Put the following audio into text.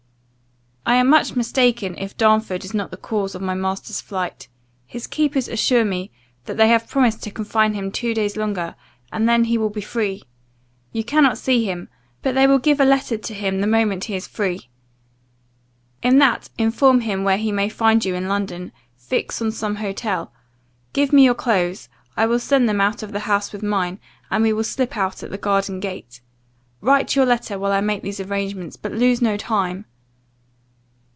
"I am much mistaken, if Darnford is not the cause of my master's flight his keepers assure me, that they have promised to confine him two days longer, and then he will be free you cannot see him; but they will give a letter to him the moment he is free. In that inform him where he may find you in London; fix on some hotel. Give me your clothes; I will send them out of the house with mine, and we will slip out at the garden gate. Write your letter while I make these arrangements, but lose no time!"